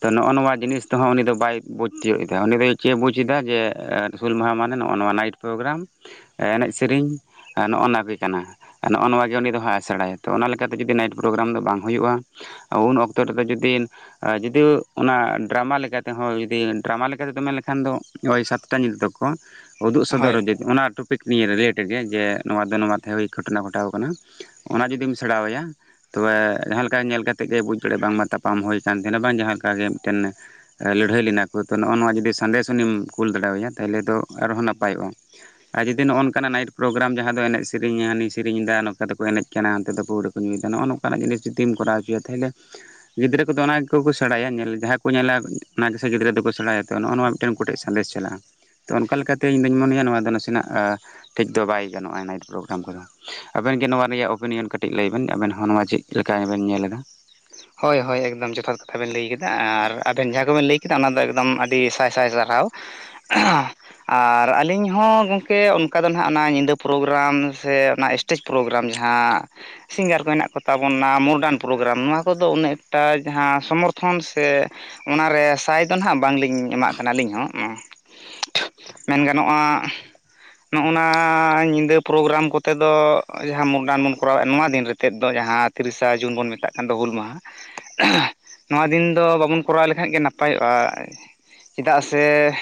ᱛᱚ ᱱᱚᱜᱼᱚ ᱱᱚᱣᱟ ᱡᱤᱱᱤᱥ ᱛᱮ ᱦᱚᱸ ᱩᱱᱤ ᱫᱚ ᱵᱟᱭ ᱵᱩᱡᱽ ᱛᱤᱭᱚᱜ ᱮᱫᱟ ᱩᱱᱤᱫᱚᱭ ᱪᱮᱫ ᱵᱩᱡᱽ ᱮᱫᱟ ᱡᱮ᱾ ᱦᱩᱞ ᱢᱟᱦᱟ ᱢᱟᱱᱮ ᱱᱚᱜ ᱱᱟ ᱱᱚᱣᱟ ᱱᱟᱭᱤᱴ ᱯᱨᱳᱜᱨᱟᱢ ᱮᱱᱮᱡ ᱥᱮᱨᱮᱧ ᱱᱚᱜᱼ ᱱᱟ ᱜᱮ ᱠᱟᱱᱟ᱾ ᱱᱚᱜᱼᱚ ᱱᱚᱣᱟᱜ ᱜᱮ ᱩᱱᱤ ᱫᱚ ᱦᱟᱸᱜ ᱟᱥᱬᱟᱭᱟ ᱛᱚ ᱚᱱᱟ ᱞᱮᱠᱟᱛᱮ ᱡᱩᱫᱤ ᱱᱟᱭᱤᱴ ᱯᱨᱳᱜᱨᱟᱢ ᱫᱚ ᱵᱟᱝ ᱦᱩᱭᱩᱜᱼᱟ᱾ ᱩᱱ ᱚᱠᱛᱚ ᱨᱮᱫᱚ ᱡᱩᱫᱤ [unintelligible] ᱚᱱᱟ ᱰᱨᱟᱢᱟ ᱞᱮᱠᱟ ᱞᱮᱠᱟᱛᱮᱦᱚᱸ ᱡᱩᱫᱤ ᱰᱨᱟᱢᱟ ᱞᱮᱠᱟ ᱛᱮᱫᱚ ᱢᱮᱱ ᱞᱮᱠᱷᱟᱱ ᱫᱚ ᱳᱭ ᱥᱟᱛᱴᱟ ᱧᱤᱫᱟᱹ ᱩᱫᱩᱜ ᱥᱚᱫᱚᱨ ᱦᱳᱭ ᱤᱫᱟᱹᱧ ᱯᱤᱠᱱᱤᱠ ᱨᱤᱞᱮᱴᱮᱰ ᱜᱮ ᱡᱮ ᱱᱚᱣᱟ ᱫᱚ ᱱᱚᱣᱟ ᱛᱟᱦᱮᱸ ᱦᱩᱭ ᱜᱷᱚᱴᱚᱱᱟ ᱜᱷᱚᱴᱟᱣ ᱠᱟᱱᱟ ᱚᱱᱟ ᱡᱩᱫᱤᱢ ᱥᱮᱬᱟᱣ ᱟᱭᱟ ᱛᱚ ᱵᱮ ᱡᱟᱦᱟᱸ ᱞᱮᱠᱟ ᱧᱮᱞ ᱠᱟᱛᱮᱜ ᱜᱮ ᱵᱩᱡᱽ ᱫᱟᱲᱮ ᱭᱟᱜ ᱵᱟᱝ ᱢᱟ ᱛᱟᱯᱟᱢ ᱦᱩᱭ ᱠᱟᱱ ᱛᱟᱦᱮᱱ ᱟ ᱵᱟᱝ ᱡᱟᱦᱟᱸ ᱞᱮᱠᱟᱜᱮ ᱢᱤᱫ ᱴᱮᱱ ᱞᱟᱹᱲ ᱦᱟᱹᱭ ᱞᱮᱱᱟ ᱠᱚ ᱛᱚ ᱱᱚᱜᱼᱚ ᱱᱚᱣᱟ ᱡᱩᱫᱤ ᱥᱟᱸᱫᱮᱥ ᱚᱱᱤᱢ ᱠᱩᱞ ᱫᱟᱲᱮ ᱟᱭᱟ ᱛᱟᱦᱞᱮ ᱫᱚ ᱟᱨ ᱦᱚᱸ ᱱᱟᱯᱟ ᱭᱚᱜᱼᱟ᱾ ᱟᱨ ᱡᱩᱫᱤ ᱱᱚᱜᱼ ᱱᱚᱠᱟ ᱱᱟᱭᱤ ᱯᱨᱳᱜᱨᱟᱢ ᱡᱟᱦᱟᱸ ᱫᱚ ᱮᱱᱮᱡ ᱥᱮᱨᱮᱧ ᱥᱮᱨᱮᱧ ᱮᱫᱟ ᱱᱚᱝᱠᱟ ᱫᱚᱠᱚ ᱮᱱᱮᱡ ᱠᱟᱱᱟ ᱦᱟᱱᱛᱮ ᱫᱚ ᱯᱟᱹᱣᱨᱟᱹ ᱠᱚ ᱧᱩᱭᱮᱫᱟ ᱱᱚᱜᱼᱚ ᱱᱚᱝ ᱠᱟ ᱱᱟᱜ ᱡᱤᱱᱤᱥ ᱡᱩᱫᱤᱢ ᱠᱚᱨᱟᱣ ᱦᱚᱪᱚᱭᱟ ᱛᱟᱦᱚᱞᱮ ᱜᱤᱫᱽᱨᱟᱹ ᱠᱚᱫᱚ ᱚᱱᱟ ᱠᱚ ᱥᱮᱬᱟᱭᱟ ᱡᱟᱦᱟᱸ ᱠᱚ ᱧᱮᱞᱟ ᱚᱱᱟ ᱥᱮ ᱜᱤᱫᱽᱨᱟᱹ ᱫᱚᱠᱚ ᱥᱮᱬᱟᱭᱟᱚ ᱱᱚᱜᱼᱚ ᱱᱚᱣᱟ ᱢᱤᱫᱴᱮᱱ ᱠᱚᱴᱮᱡ ᱥᱟᱸᱫᱮᱥ ᱪᱟᱞᱟᱜᱼᱟ᱾ ᱛᱚ ᱚᱱᱠᱟ ᱞᱮᱠᱟᱛᱮ ᱤᱧ ᱫᱩᱧ ᱢᱚᱱᱮᱭᱟ ᱱᱚᱣᱟ ᱫᱚ ᱱᱟᱥᱮᱱᱟᱜ ᱴᱷᱤᱠ ᱫᱚ ᱵᱟᱭ ᱜᱟᱱᱚᱜᱼᱟ ᱱᱟᱭᱤᱴ ᱯᱨᱳᱜᱨᱟᱢ ᱠᱚᱫᱚ᱾ ᱟᱵᱮᱱ ᱜᱮ ᱱᱚᱣᱟ ᱨᱮᱭᱟᱜ ᱚᱯᱤᱱᱤᱭᱚᱱ ᱠᱟᱹᱴᱤᱡ ᱞᱟᱹᱭ ᱵᱮᱱ ᱟᱵᱮᱱ ᱦᱚᱸ ᱱᱚᱣᱟ ᱪᱮᱫ ᱞᱮᱠᱟ ᱵᱮᱱ ᱧᱮᱞ ᱮᱫᱟ᱾ ᱦᱳᱭ ᱦᱳᱭ ᱮᱠᱫᱚᱢ ᱡᱚᱛᱷᱟᱛ ᱠᱟᱛᱷᱟ ᱵᱮᱱ ᱞᱟᱹᱭ ᱠᱮᱫᱟ ᱟᱨ ᱟᱵᱮᱱ ᱡᱟᱦᱟᱸ ᱠᱚᱵᱮᱱ ᱞᱟᱹᱭ ᱠᱮᱫᱟ ᱚᱱᱟ ᱫᱚ ᱮᱠᱫᱚᱢ ᱟᱰᱤ ᱥᱟᱭ ᱥᱟᱭ ᱥᱟᱨᱦᱟᱣ ᱟᱨ ᱟᱹᱞᱤᱧ ᱦᱚᱸ ᱜᱚᱢᱠᱮ ᱚᱱᱠᱟ ᱫᱚ ᱱᱟᱦᱟᱜ ᱚᱱᱟ ᱧᱤᱫᱟᱹ ᱯᱨᱳᱜᱨᱟᱢ ᱥᱮ ᱚᱱᱟ ᱮᱥᱴᱮᱡ ᱯᱨᱳᱜᱨᱟᱢ ᱡᱟᱦᱟᱸ ᱥᱤᱝᱜᱟᱨ ᱠᱚ ᱦᱮᱱᱟᱜ ᱠᱚ ᱛᱟᱵᱚᱱᱟ ᱢᱳᱰᱟᱱ ᱯᱨᱳᱜᱨᱟᱢ ᱱᱚᱣᱟ ᱠᱚ ᱫᱚ ᱩᱱᱟᱹᱜ ᱮᱠᱴᱟ ᱡᱟᱦᱟᱸ ᱥᱚᱢᱚᱨᱛᱷᱚᱱ ᱥᱮ ᱚᱱᱟᱨᱮ ᱥᱟᱭ ᱫᱚ ᱦᱟᱸᱜ ᱵᱟᱝᱞᱤᱧ ᱮᱢᱟᱜ ᱠᱟᱱᱟ ᱟᱹᱞᱤᱧ ᱦᱚᱸ ᱢᱮᱱ ᱜᱟᱱᱚᱜᱼᱟ ᱱᱚᱜᱼᱱᱟ ᱧᱤᱫᱟᱹ ᱯᱨᱳᱜᱨᱟᱢ ᱠᱚᱛᱮ ᱫᱚ ᱡᱟᱦᱟᱸ ᱢᱩᱚᱠᱰᱟᱱ ᱵᱚᱱ ᱠᱚᱨᱟᱣᱮᱫ ᱱᱚᱣᱟ ᱫᱤᱱ ᱨᱮᱛᱮᱫ ᱫᱚ ᱡᱟᱦᱟᱸ ᱛᱤᱨᱤᱥᱟ ᱡᱩᱱ ᱵᱚᱱ ᱢᱮᱛᱟᱜ ᱠᱟᱱᱟ ᱾ ᱦᱩᱞ ᱢᱟᱦᱟ ᱱᱚᱣᱟ ᱫᱤᱱ ᱫᱚ ᱵᱟᱵᱚᱱ ᱠᱚᱨᱟᱣ ᱞᱮᱠᱷᱟᱱ ᱜᱮ ᱱᱟᱯᱟᱭᱚᱜᱼᱟ᱾ ᱪᱮᱫᱟᱜ ᱥᱮ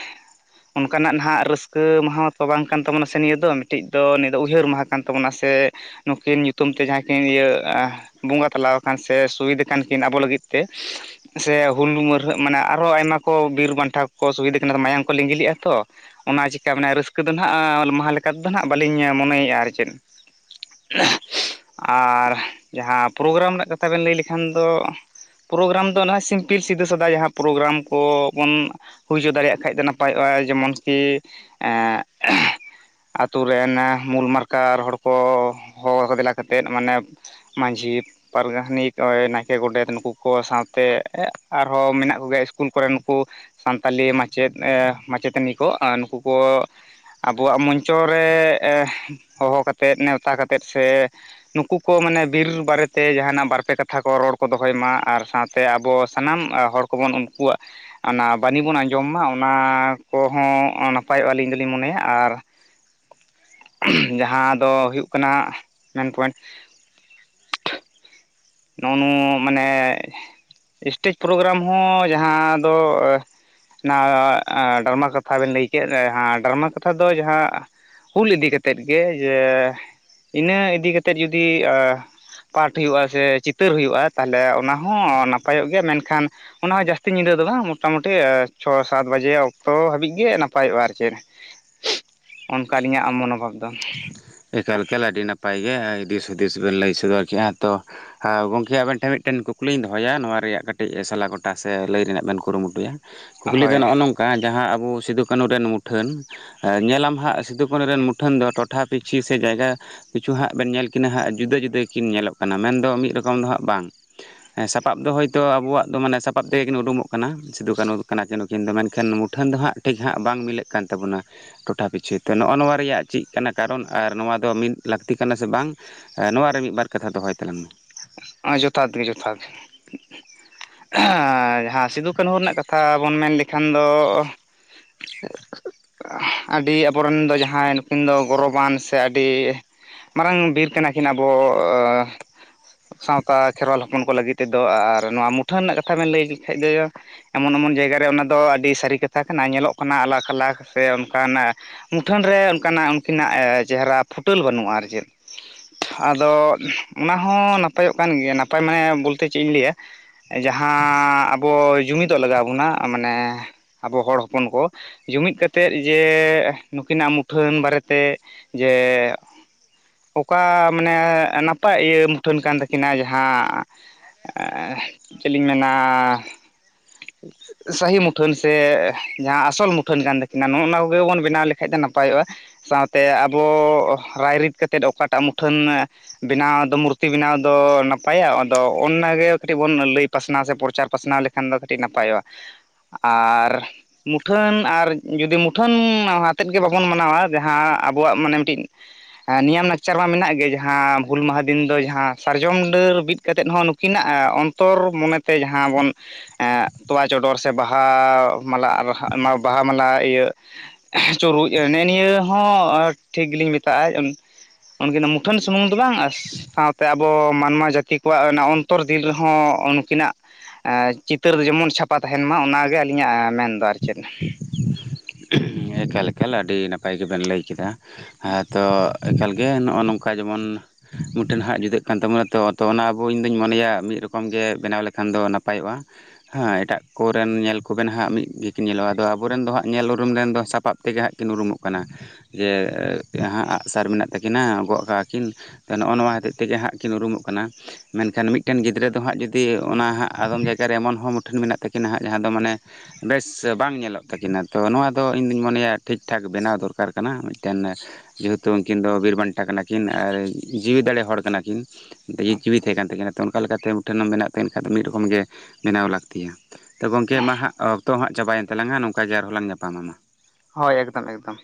ᱚᱱᱠᱟᱱᱟᱜ ᱱᱟᱦᱟᱜ ᱨᱟᱹᱥᱠᱟᱹ ᱢᱟᱦᱟ ᱛᱚ ᱵᱟᱝ ᱠᱟᱱ ᱛᱟᱵᱚᱱᱟ ᱥᱮ ᱱᱤᱭᱟᱹ ᱫᱚ ᱢᱤᱫᱴᱤᱡ ᱫᱚ ᱱᱤᱭᱟᱹ ᱫᱚ ᱩᱭᱦᱟᱹᱨ ᱢᱟᱦᱟ ᱠᱟᱱ ᱛᱟᱵᱚᱱᱟ ᱥᱮ ᱱᱩᱠᱤᱱ ᱧᱩᱛᱩᱢ ᱛᱮ ᱡᱟᱦᱟᱸ ᱠᱤᱱ ᱤᱭᱟᱹ ᱵᱚᱸᱜᱟ ᱛᱟᱞᱟ ᱥᱮ ᱥᱩᱵᱤᱫᱟ ᱠᱟᱱ ᱠᱤᱱ ᱟᱵᱚ ᱞᱟᱹᱜᱤᱫ ᱛᱮ ᱥᱮ ᱦᱩᱞ ᱢᱟᱹᱨᱦᱟᱹ ᱢᱟᱱᱮ ᱟᱨᱦᱚ ᱟᱭᱢᱟ ᱠᱚ ᱵᱤᱨ ᱵᱟᱱᱴᱟ ᱠᱚ ᱚᱥᱩᱵᱤᱫᱷᱟ ᱠᱟᱱᱟ ᱢᱟᱭᱟᱢ ᱠᱚ ᱞᱤᱜᱤᱜᱼᱟ ᱛᱚ ᱚᱱᱟ ᱪᱤᱠᱠᱟ ᱢᱮᱱᱟᱜᱼᱟ ᱨᱟᱹᱥᱠᱟᱹ ᱫᱚ ᱱᱟᱦᱱᱟᱜ ᱢᱟᱦᱟ ᱞᱮᱠᱟᱛᱮᱫᱚ ᱱᱟᱦᱜ ᱵᱟᱹᱞᱤᱧ ᱢᱚᱱᱮᱭᱮᱫᱼᱟ ᱟᱨ ᱪᱮᱫ ᱟᱨ ᱡᱟᱦᱟᱸ ᱯᱨᱳᱜᱨᱟᱢ ᱨᱮᱱᱟᱜ ᱠᱟᱛᱷᱟ ᱵᱮᱱ ᱞᱟᱹᱭ ᱞᱮᱠᱷᱟᱱ ᱫᱚ ᱯᱨᱳᱜᱨᱟᱢ ᱫᱚ ᱚᱱᱟ ᱥᱤᱢᱯᱤᱞ ᱥᱤᱫᱷᱩᱼ ᱥᱟᱫᱟᱭ ᱡᱟᱦᱟᱸ ᱯᱨᱳᱜᱨᱟᱢ ᱠᱚᱵᱚᱱ ᱦᱩᱭ ᱦᱚᱪᱚ ᱫᱟᱲᱮᱭᱟᱜ ᱠᱷᱟᱡ ᱫᱚ ᱱᱟᱯᱟᱭᱚᱜᱼᱟ ᱡᱮᱢᱚᱱ ᱠᱤ ᱮ ᱟᱛᱳ ᱨᱮᱱ ᱢᱩᱞ ᱢᱟᱨᱟᱨᱠᱟᱨ ᱦᱚᱲ ᱠᱚ ᱦᱚᱦᱚ ᱫᱮᱞᱟ ᱠᱟᱛᱮᱫ ᱢᱟᱱᱮ ᱢᱟᱺᱡᱷᱤ ᱯᱟᱨᱜᱟᱱᱟ ᱛᱷᱟᱱᱤᱜᱼᱚᱭ ᱱᱟᱭᱠᱮ ᱜᱚᱰᱮᱛ ᱱᱩᱠᱩ ᱠᱚ ᱥᱟᱶᱛᱮ ᱟᱨᱦᱚᱸ ᱢᱮᱱᱟᱜ ᱠᱚ ᱜᱮᱭᱟ ᱥᱤᱥᱠᱩᱞ ᱠᱚᱨᱮ ᱱᱩᱠᱩ ᱥᱟᱱᱛᱟᱞᱤ ᱢᱟᱪᱮᱫ ᱢᱟᱪᱮᱛᱟᱹᱱᱤ ᱠᱚ ᱱᱩᱠᱩ ᱠᱚ ᱟᱵᱚᱣᱟᱜ ᱢᱚᱧᱪᱚ ᱨᱮ ᱦᱚᱦᱚ ᱠᱟᱛᱮᱫ ᱱᱮᱣᱛᱟ ᱠᱟᱛᱮᱫ ᱥᱮ, ᱱᱩᱠᱩ ᱠᱚ ᱢᱟᱱᱮ ᱵᱤᱨ ᱵᱟᱨᱮᱛᱮ ᱡᱟᱦᱟᱱᱟᱜ ᱵᱟᱨ ᱯᱮ ᱠᱟᱛᱷᱟ ᱠᱚ ᱨᱚᱲ ᱠᱚ ᱫᱚᱦᱚᱭ ᱢᱟ ᱟᱨ ᱥᱟᱶᱛᱮ ᱟᱵᱚ ᱥᱟᱱᱟᱢ ᱦᱚᱲ ᱠᱚᱵᱚᱱ ᱩᱱᱠᱩᱣᱟᱜ ᱚᱱᱟ ᱵᱟᱹᱱᱤ ᱵᱚᱱ ᱟᱸᱡᱚᱢ ᱢᱟ ᱚᱱᱟ ᱠᱚᱦᱚᱸ ᱱᱟᱯᱟᱭᱚᱜᱼᱟ, ᱟᱹᱞᱤᱧ ᱫᱚᱞᱤᱧ ᱢᱚᱱᱮᱭᱟ ᱟᱨ [inaudible] ᱡᱟᱦᱟᱸ ᱫᱚ ᱦᱩᱭᱩᱜ ᱠᱟᱱᱟ ᱢᱮᱱᱯᱚᱭᱮᱱᱴ, ᱱᱚᱱᱩᱜ ᱢᱟᱱᱮ ᱥᱴᱮᱡᱽ ᱯᱨᱳᱜᱨᱟᱢ ᱦᱚᱸ ᱡᱟᱦᱟᱸ ᱫᱚ ᱚᱱᱟ ᱰᱨᱟᱢᱟ ᱠᱟᱛᱷᱟ ᱵᱮᱱ ᱞᱟᱹᱭ ᱠᱮᱫ ᱰᱨᱢᱟ ᱠᱟᱛᱷᱟ ᱫᱚ ᱡᱟᱦᱟᱸ ᱦᱩᱞ ᱤᱫᱤ ᱠᱟᱛᱮᱫ ᱜᱮ ᱡᱮ ᱤᱱᱟᱹ ᱤᱫᱤ ᱠᱟᱛᱮᱫ ᱡᱩᱫᱤ ᱯᱟᱴ ᱦᱩᱭᱩᱜᱼᱟ ᱥᱮ, ᱪᱤᱛᱟᱹᱨ ᱦᱩᱭᱩᱜᱼᱟ ᱛᱟᱦᱚᱞᱮ ᱚᱱᱟ ᱦᱚᱸ ᱱᱟᱯᱟᱭᱚᱜ ᱜᱮᱭᱟ ᱢᱮᱱᱠᱷᱟᱱ ᱚᱱᱟ ᱦᱚᱸ ᱡᱟᱹᱥᱛᱤ ᱧᱤᱫᱟᱹ ᱫᱚ ᱵᱟᱝ ᱢᱳᱴᱟᱢᱩᱴᱤ ᱪᱷᱚ ᱥᱟᱛ ᱵᱟᱡᱮ ᱚᱠᱛᱚ ᱦᱟᱹᱵᱤᱡ ᱜᱮ ᱱᱟᱯᱟᱭᱚᱜᱼᱟ ᱟᱨ ᱪᱮᱫ, ᱚᱱᱠᱟ ᱟᱹᱞᱤᱧᱟᱜ ᱢᱚᱱᱳᱵᱷᱟᱵ ᱫᱚ᱾ ᱮᱠᱟᱞ ᱮᱠᱟᱞ ᱟᱹᱰᱤ ᱱᱟᱯᱟᱭ ᱜᱮ ᱫᱤᱥ ᱦᱩᱫᱤᱥ ᱵᱮᱱ ᱞᱟᱹᱭ ᱥᱚᱫᱚᱨ ᱠᱮᱫᱼᱟ ᱛᱚ ᱟᱨ ᱜᱚᱝᱠᱮ ᱟᱵᱮᱱ ᱴᱷᱮᱱ ᱢᱤᱫᱴᱮᱱ ᱠᱩᱠᱞᱤᱧ ᱫᱚᱦᱚᱭᱟ ᱱᱚᱣᱟ ᱨᱮᱭᱟᱜ ᱠᱟᱹᱴᱤᱡ ᱥᱟᱞᱟ ᱜᱚᱴᱟ ᱥᱮ ᱞᱟᱹᱭ ᱨᱮᱱᱟᱜ ᱵᱮᱱ ᱠᱩᱨᱩᱢᱩᱴᱩᱭᱟ᱾ ᱠᱩᱠᱞᱤ ᱫᱚ ᱦᱳᱭ ᱱᱚᱜᱼᱚ ᱱᱚᱝᱠᱟ ᱠᱟ ᱡᱟᱦᱟᱸ ᱟᱵᱚ ᱥᱤᱫᱩ ᱠᱟᱹᱱᱩ ᱨᱮᱱ ᱢᱩᱴᱷᱟᱹᱱ ᱧᱮᱞᱟᱢ ᱦᱟᱸᱜ ᱥᱤᱫᱩ ᱠᱟᱹᱱᱩ ᱨᱮᱱ ᱢᱩᱴᱷᱟᱹᱱ ᱫᱚ ᱴᱚᱴᱷᱟ, ᱯᱤᱪᱮ ᱥᱮ ᱜᱟᱭᱜᱟ ᱠᱤᱪᱷᱩ ᱦᱟᱸᱜ ᱵᱮᱱ ᱧᱮᱞ ᱠᱤᱱᱟᱹ ᱦᱟᱸᱜ ᱡᱩᱫᱟᱹ ᱡᱩᱫᱟᱹ ᱠᱤᱱ ᱧᱮᱞᱚᱜ ᱠᱟᱱᱟ ᱢᱮᱱᱫᱚ ᱢᱤᱫ ᱨᱚᱠᱚᱢ ᱫᱚ ᱦᱟᱸᱜ ᱵᱟᱝ᱾ ᱥᱟᱯᱟᱯ ᱫᱚ ᱦᱚᱭᱛ ᱟᱵᱚᱣᱟᱜ ᱫᱚ ᱢᱟᱱᱮ ᱥᱟᱯᱟᱯ ᱛᱮᱜᱮ ᱠᱤᱱ ᱩᱰᱩᱢᱚᱜ ᱠᱟᱱᱟ ᱥᱤᱫᱩ ᱠᱟᱹᱱᱩ ᱠᱟᱱᱟᱠᱤᱱ ᱱᱩᱠᱤᱱ ᱫᱚ ᱢᱮᱱᱠᱷᱟᱱ, ᱢᱴᱷᱟᱹᱱ ᱫᱚ ᱦᱟᱸᱜ ᱴᱷᱤᱠ ᱦᱟᱸᱜ ᱵᱟᱝ ᱢᱤᱞᱟᱹᱜ ᱠᱟᱱ ᱛᱟᱵᱚᱱᱟ ᱴᱚᱴᱷᱟ ᱯᱤᱪᱷᱤ ᱛᱚ ᱱᱚᱜᱼᱚ ᱱᱚᱣᱟ ᱨᱮᱭᱟᱜ ᱪᱮᱫ ᱠᱟᱱᱟ᱾ ᱠᱟᱨᱚᱱ ᱟᱨ ᱱᱚᱣᱟ ᱫᱚ ᱢᱤᱫ ᱞᱟᱹᱠᱛᱤ ᱠᱟᱱᱟ ᱥᱮ ᱵᱟᱝ ᱱᱚᱣᱟ ᱨᱮ ᱢᱤᱫ ᱵᱟᱨ ᱠᱟᱛᱷᱟ ᱫᱚᱦᱚᱭ ᱛᱟᱞᱟᱝ ᱢᱮ? ᱡᱚᱛᱷᱟᱛ ᱜᱮ ᱡᱚᱛᱷᱟᱛ, ᱡᱟᱦᱟᱸ ᱥᱤᱫᱷᱩᱼ ᱠᱟᱹᱱᱦᱩ ᱨᱮᱱᱟᱜ ᱠᱟᱛᱷᱟ ᱵᱚᱱ ᱢᱮᱱ ᱞᱮᱠᱷᱟᱱ ᱫᱚ, [unintelligible] ᱟᱹᱰᱤ ᱟᱵᱚᱨᱮᱱ ᱫᱚ ᱡᱟᱦᱟᱸᱭ ᱱᱩᱠᱤᱱ ᱫᱚ ᱜᱚᱨᱚᱵᱟᱱ ᱥᱮ ᱟᱹᱰᱤ ᱢᱟᱨᱟᱝ ᱵᱤᱨ ᱠᱟᱱᱟ ᱠᱤᱱ ᱟᱵᱚ, ᱥᱟᱶᱛᱟ ᱠᱷᱮᱨᱣᱟᱞ ᱦᱚᱯᱚᱱ ᱠᱚ ᱞᱟᱹᱜᱤᱫ ᱛᱮᱫᱚ ᱟᱨ ᱱᱚᱣᱟ ᱢᱩᱴᱷᱟᱹᱱ ᱨᱮᱱᱟᱜ ᱠᱟᱛᱷᱟ ᱵᱮᱱ ᱞᱟᱹᱭ ᱞᱮᱠᱷᱟᱡ ᱫᱚ ᱮᱢᱚᱱ ᱮᱢᱚᱱ ᱡᱟᱭᱜᱟᱨᱮ ᱚᱱᱟ ᱫᱚ ᱟᱹᱰᱤ ᱥᱟᱹᱨᱤ ᱠᱟᱛᱷᱟ ᱠᱟᱱᱟ ᱧᱮᱞᱚᱜ ᱠᱟᱱᱟ ᱟᱞᱟᱠ ᱟᱞᱟᱠ ᱥᱮ ᱚᱱᱠᱟᱱᱟᱜ, ᱢᱩᱴᱷᱟᱹᱱ ᱨᱮ ᱚᱱᱠᱟᱱᱟᱜ ᱩᱱᱠᱤᱱᱟᱜ ᱪᱮᱦᱨᱟ ᱯᱷᱩᱴᱟᱹᱞ ᱵᱟᱹᱱᱩᱜᱼᱟ ᱟᱨ ᱪᱮᱫ᱾ ᱟᱫᱚ ᱚᱱᱟᱦᱚᱸ ᱱᱟᱯᱟᱭᱚᱜ ᱠᱟᱱ ᱜᱮᱭᱟ ᱱᱟᱯᱟᱭ ᱢᱟᱱᱮ ᱵᱚᱞᱛᱮ ᱪᱮᱫ ᱤᱧ ᱞᱟᱹᱭᱟ, ᱡᱟᱦᱟᱸ ᱟᱵᱚ ᱡᱩᱢᱤᱫᱚᱜ ᱞᱟᱜᱟᱣ ᱵᱚᱱᱟ ᱢᱟᱱᱮ ᱟᱵᱚ ᱦᱚᱲ ᱦᱚᱯᱚᱱ ᱠᱚ ᱡᱩᱢᱤᱫ ᱠᱟᱛᱮᱫ ᱡᱮ ᱱᱩᱠᱤᱱᱟᱜ ᱢᱩᱴᱷᱟᱹᱱ ᱵᱟᱨᱮᱛᱮ ᱡᱮ ᱚᱠᱟ ᱢᱟᱱᱮ ᱱᱟᱯᱟᱭ ᱤᱭᱟᱹ ᱢᱩᱴᱷᱟᱹᱱ ᱠᱟᱱ ᱛᱟᱹᱠᱤ ᱠᱤᱱᱟ ᱡᱟᱦᱟᱸ ᱪᱮᱫᱞᱤᱧ ᱢᱮᱱᱟ, ᱥᱟᱹᱦᱤ ᱢᱩᱴᱷᱟᱹᱱ ᱥᱮ ᱡᱟᱦᱟᱸ ᱟᱥᱚᱞ ᱢᱩᱴᱷᱟᱹᱱ ᱠᱟᱱ ᱛᱟᱹᱠᱤᱱᱟ ᱱᱚᱜᱼᱚ ᱱᱚᱣᱟ ᱠᱚᱜᱮ ᱵᱚᱱ ᱵᱮᱱᱟᱣ ᱞᱮᱠᱟᱡ ᱫᱚ ᱱᱟᱯᱟᱭᱚᱜᱼᱟ᱾ ᱥᱟᱶᱛᱮ ᱟᱵᱚ ᱨᱟᱭ ᱨᱤᱫ ᱠᱟᱛᱮᱫ ᱚᱠᱟᱴᱟᱜ ᱢᱩᱴᱷᱟᱹᱱ ᱵᱮᱱᱟᱣ ᱫᱚ ᱢᱩᱨᱛᱤ ᱵᱮᱱᱟᱣ ᱫᱚ ᱱᱟᱯᱟᱭᱟ ᱟᱫᱚ ᱚᱱᱟᱜᱮ ᱠᱟᱹᱴᱤᱜ ᱵᱚᱱ ᱞᱟᱹᱭ ᱯᱟᱥᱱᱟᱣ ᱥᱮ ᱯᱨᱚᱪᱟᱨ ᱯᱟᱥᱱᱟᱣ ᱞᱮᱠᱷᱟᱱ ᱫᱚ ᱠᱟᱹᱴᱤᱜ ᱱᱟᱯᱟᱭᱚᱜᱼᱟ᱾ ᱟᱨᱻ ᱢᱩᱴᱷᱟᱹᱱ ᱟᱨ ᱡᱩᱫᱤ ᱢᱩᱴᱷᱟᱹᱱ ᱟᱛᱮᱫ ᱜᱮ ᱵᱟᱵᱚᱱ ᱢᱟᱱᱟᱣᱟ ᱡᱟᱦᱟᱸ ᱟᱵᱚᱣᱟᱜ ᱢᱟᱱᱮ ᱢᱤᱫᱴᱤᱡ ᱦᱮᱸ ᱱᱤᱭᱚᱢ ᱞᱟᱠᱪᱟᱨ ᱢᱟ ᱢᱮᱱᱟᱜ ᱜᱮ ᱡᱟᱦᱟᱸ ᱦᱩᱞ ᱢᱟᱦᱟᱸ ᱫᱤᱱ ᱫᱚ ᱡᱟᱦᱟᱸ, ᱥᱟᱨᱡᱚᱢ ᱰᱟᱹᱨ ᱵᱤᱫ ᱠᱟᱛᱮᱫ ᱦᱚᱸ ᱱᱩᱠᱤᱱᱟᱜ ᱚᱱᱛᱚᱨ ᱢᱚᱱᱮ ᱛᱮ ᱡᱟᱦᱟᱸ ᱵᱚᱱ ᱛᱚᱣᱟ ᱪᱚᱰᱚᱨ ᱥᱮ ᱵᱟᱦᱟ ᱢᱟᱞᱟ ᱵᱟᱦᱟ ᱢᱟᱞᱟ ᱤᱭᱟᱹ ᱪᱩᱨᱩᱡ ᱱᱮᱜ ᱱᱤᱭᱟᱹ ᱦᱚᱸ ᱴᱷᱤᱠ ᱜᱮ ᱞᱤᱧ ᱢᱮᱛᱟᱜᱼᱟ᱾ ᱩᱱᱠᱤᱱ ᱟᱜ ᱢᱩᱴᱷᱟᱹᱱ ᱥᱩᱢᱩᱝ ᱫᱚ ᱵᱟᱝ ᱥᱟᱶ ᱛᱮ ᱟᱵᱚ ᱢᱟᱱᱣᱟ ᱡᱟᱹᱛᱤ ᱠᱚᱣᱟᱜ ᱚᱱᱟ ᱚᱱᱛᱚᱨ ᱫᱤᱱ ᱨᱮᱦᱚᱸ ᱱᱩᱠᱤᱱ ᱟᱜ ᱮᱸᱻ ᱪᱤᱛᱟᱹᱨ ᱡᱮᱢᱚᱱ ᱪᱷᱟᱯᱟ ᱛᱟᱦᱮᱱ ᱢᱟ ᱚᱱᱟ ᱜᱮ ᱟᱹᱞᱤᱧ ᱟᱜ ᱢᱮᱱᱫᱚ ᱟᱨ ᱪᱮᱫ ᱮᱠᱟᱞ ᱮᱠᱟᱞ ᱟᱹᱰᱤ ᱱᱟᱯᱟᱭ ᱜᱮ ᱵᱮᱱ ᱞᱟᱹᱭ ᱠᱮᱫᱟ ᱟᱫᱚ ᱮᱠᱟᱞ ᱜᱮ ᱱᱚᱜᱼᱚ ᱱᱚᱝᱠᱟ ᱡᱮᱢᱚᱱ ᱢᱩᱴᱟᱹᱱ ᱦᱟᱸᱜ ᱡᱩᱫᱟᱹᱜ ᱠᱟᱱ ᱛᱟᱵᱚᱱᱟ ᱛᱚ ᱛᱚ ᱚᱱᱟ ᱟᱵᱚ ᱤᱧ ᱫᱩᱧ ᱢᱚᱱᱮᱭᱟ ᱢᱤᱫ ᱨᱚᱠᱚᱢ ᱜᱮ ᱵᱮᱱᱟᱣ ᱞᱮ ᱠᱷᱟᱱ ᱫᱚ ᱱᱟᱯᱟᱭᱚᱜᱼᱟ᱾ ᱦᱮᱸ ᱮᱴᱟᱜ ᱠᱚᱨᱮᱱ ᱧᱮᱞ ᱠᱚᱵᱮᱱ ᱦᱟᱸᱜ ᱢᱤᱫ ᱜᱮᱠᱤᱱ ᱧᱮᱞᱚᱜᱼᱟ ᱟᱫᱚ ᱟᱵᱚ ᱨᱮᱱ ᱫᱚ ᱦᱟᱸᱜ ᱧᱮᱞ ᱩᱨᱩᱢ ᱨᱮᱱ ᱫᱚ ᱥᱟᱯᱟᱵ ᱛᱮ ᱜᱮ ᱦᱟᱸᱜ ᱠᱤᱱ ᱩᱨᱩᱢᱚᱜ ᱠᱟᱱᱟ᱾ ᱡᱮ ᱦᱟᱸᱜ ᱟᱜᱼᱥᱟᱨ ᱢᱮᱱᱟᱜ ᱛᱟᱹᱠᱤᱱᱟ ᱜᱚᱜ ᱟᱠᱟᱜᱼᱟᱹᱠᱤᱱ ᱱᱚᱜᱼᱚ ᱱᱚᱣᱟ ᱦᱚᱛᱮᱡ ᱛᱮ ᱜᱮ ᱦᱟᱸᱜ ᱠᱤᱱ ᱩᱨᱩᱢᱚᱜ ᱠᱟᱱᱟ᱾ ᱢᱮᱱ ᱠᱷᱟᱱ ᱢᱤᱫᱴᱮᱱ ᱜᱤᱫᱽᱨᱟᱹ ᱫᱚ ᱦᱟᱸᱜ ᱡᱩᱫᱤ ᱚᱱᱟ ᱦᱟᱸᱜ ᱟᱫᱚᱢ ᱡᱟᱭᱜᱟ ᱨᱮ ᱮᱢᱚᱱ ᱦᱚᱸ ᱢᱩᱴᱷᱟᱹᱱ ᱢᱮᱱᱟᱜ ᱛᱟᱹᱠᱤᱱᱟ ᱦᱟᱸᱜ ᱡᱟᱦᱟᱸ ᱫᱚ ᱢᱟᱱᱮ ᱵᱮᱥ ᱵᱟᱝ ᱧᱮᱞᱚᱜ ᱛᱟᱹᱠᱤᱱᱟ ᱛᱚ ᱱᱚᱣᱟ ᱫᱚ ᱤᱧ ᱫᱩᱧ ᱢᱚᱱᱮᱭᱟ ᱴᱷᱤᱠ-ᱴᱷᱟᱠ ᱵᱮᱱᱟᱣ ᱫᱚᱨᱠᱟᱨ ᱠᱟᱱᱟ ᱢᱤᱫ ᱴᱮᱱ ᱡᱮᱦᱮ ᱛᱩ ᱩᱱᱠᱤᱱ ᱫᱚ ᱵᱤᱨ ᱵᱟᱱᱴᱷᱟ ᱠᱟᱱᱟ ᱠᱤᱱ ᱟᱨ ᱡᱤᱣᱤ ᱫᱟᱲᱮ ᱦᱚᱲ ᱠᱟᱱᱟ ᱠᱤᱱ᱾ ᱫᱮᱭᱤ ᱡᱤᱣᱤ ᱛᱟᱦᱮᱸ ᱠᱟᱱ ᱛᱟᱹᱠᱤᱱᱟ ᱛᱚ ᱚᱱᱠᱟ ᱞᱮᱠᱟᱛᱮ ᱢᱩᱫ ᱴᱷᱟᱹᱱ ᱦᱚᱸ ᱢᱮᱱᱟᱜ ᱛᱟᱹᱠᱤᱱ ᱠᱷᱟᱱ ᱫᱚ ᱢᱤᱫ ᱨᱚᱠᱚᱢ ᱜᱮ ᱵᱮᱱᱟᱣ ᱞᱟᱹᱠᱛᱤᱭᱟ᱾ ᱛᱚ ᱜᱚᱝᱠᱮ ᱢᱟ ᱦᱟᱸᱜ ᱚᱠᱛᱚ ᱦᱟᱸᱜ ᱪᱟᱵᱟᱭᱮᱱ ᱛᱟᱞᱟᱝᱟ ᱱᱚᱝᱠᱟ ᱜᱮ ᱟᱨ ᱦᱚᱞᱟᱝ ᱧᱟᱯᱟᱢᱟ᱾ ᱦᱚᱭ ᱮᱠᱫᱚᱢ ᱮᱠᱫᱚᱢ